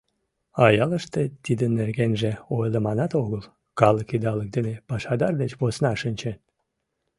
А ялыште тидын нергенже ойлыманат огыл, калык идалык дене пашадар деч посна шинчен.